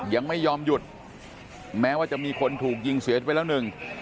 ยังไม่ยอมหยุดแม้ว่าจะมีคนถูกยิงเสียชีวิตไปแล้วหนึ่ง